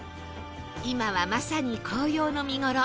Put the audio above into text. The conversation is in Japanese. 今はまさに紅葉の見頃